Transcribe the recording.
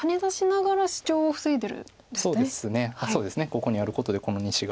ここにあることでこの２子が。